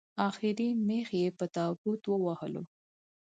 اخري مېخ یې په تابوت ووهلو